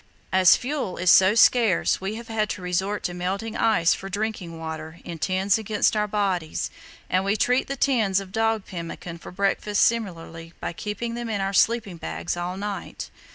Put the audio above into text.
"As fuel is so scarce we have had to resort to melting ice for drinking water in tins against our bodies, and we treat the tins of dog pemmican for breakfast similarly by keeping them in our sleeping bags all night.